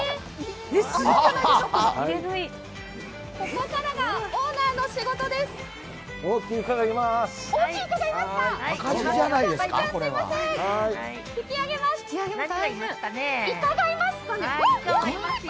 ここからがオーナーの仕事です。